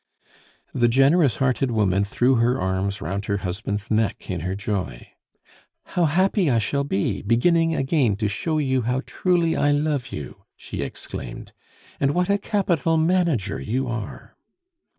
The generous hearted woman threw her arms round her husband's neck in her joy. "How happy I shall be, beginning again to show you how truly I love you!" she exclaimed. "And what a capital manager you are!"